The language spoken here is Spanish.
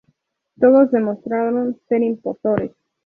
Todos demostraron ser impostores.